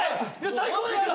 最高でした！